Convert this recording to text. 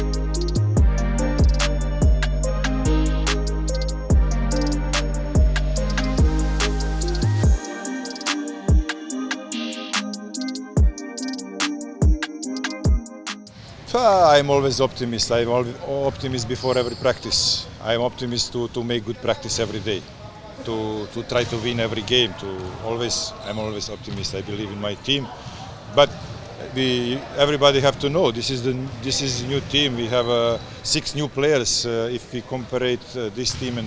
saya selalu optimis optimis sebelum berlatih saya optimis untuk berlatih sehari hari untuk menang setiap pertandingan saya selalu optimis saya percaya pada tim saya